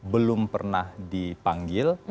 belum pernah dipanggil